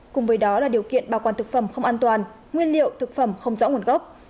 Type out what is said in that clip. cùng với đó là điều kiện bảo quản thực phẩm không an toàn nguyên liệu thực phẩm không rõ nguồn gốc